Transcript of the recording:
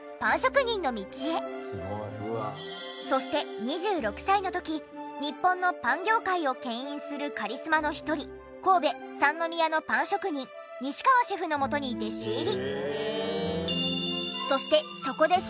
そして２６歳の時日本のパン業界を牽引するカリスマの一人神戸三宮のパン職人西川シェフのもとに弟子入り。